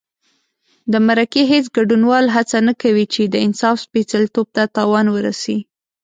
د مرکې هېڅ ګډونوال هڅه نه کوي چې د انصاف سپېڅلتوب ته تاوان ورسي.